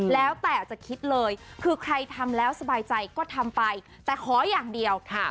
แล้วแต่จะคิดเลยคือใครทำแล้วสบายใจก็ทำไปแต่ขออย่างเดียวค่ะ